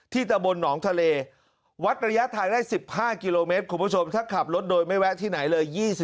ตะบนหนองทะเลวัดระยะทางได้๑๕กิโลเมตรคุณผู้ชมถ้าขับรถโดยไม่แวะที่ไหนเลย